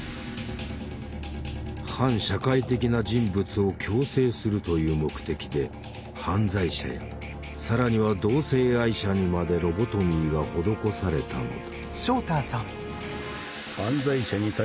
反社会的な人物を矯正するという目的で犯罪者や更には同性愛者にまでロボトミーが施されたのだ。